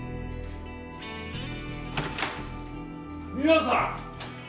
皆さん！